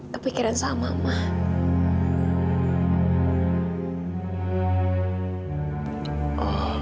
kepikiran sama ma